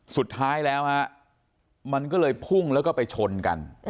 สุดท้ายแล้วฮะมันก็เลยพุ่งแล้วก็ไปชนกัน